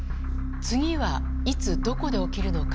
次はいつどこで起きるのか。